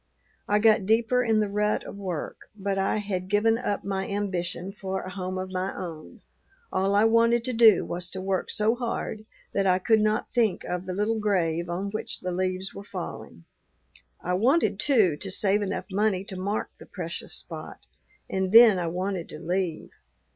I got deeper in the rut of work, but I had given up my ambition for a home of my own; all I wanted to do was to work so hard that I could not think of the little grave on which the leaves were falling. I wanted, too, to save enough money to mark the precious spot, and then I wanted to leave.